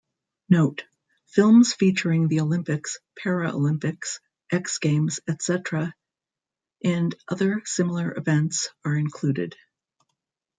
Note: Films featuring the Olympics, Paralympics, X-Games, etc... and other similar events are included.